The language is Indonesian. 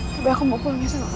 tapi aku mau pulangnya sama kamu